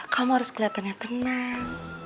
kamu harus kelihatannya tenang